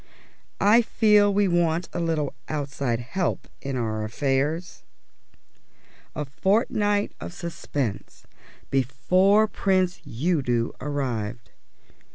"I feel we want a little outside help in our affairs." A fortnight of suspense before Prince Udo arrived.